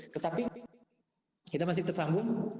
tetapi kita masih tersambung